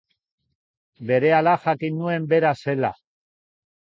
Berehala jakin nuen bera zela.